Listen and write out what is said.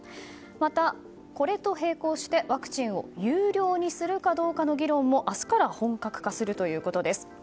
また、これと並行してワクチンを有料にするかどうかの議論も明日から本格化するということです。